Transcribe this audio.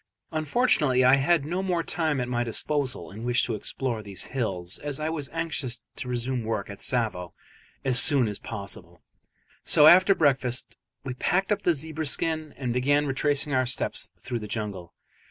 Unfortunately I had no more time at my disposal in which to explore these hills, as I was anxious to resume work at Tsavo as soon as possible; so after breakfast we packed up the zebra skin and began to retrace our steps through the jungle.